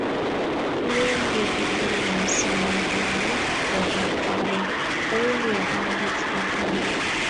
Kiwendi biname samakinik karon awendi agot agine